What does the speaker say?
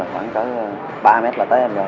khoảng tới ba mét là tới em rồi